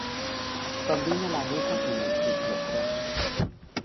Combina la ruta con el Ciclocrós.